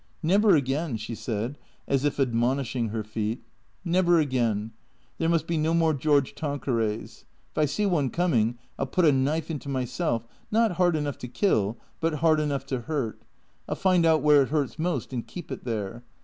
" Never again," she said, as if admonishing her feet. " Never again. There must be no more George Tanquerays. If I see one coming, I '11 put a knife into myself, not hard enough to kill, but hard enough to hurt. I '11 find out where it hurts most and keep it there.